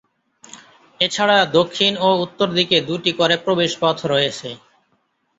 এ ছাড়া দক্ষিণ ও উত্তর দিকে দুটি করে প্রবেশপথ রয়েছে।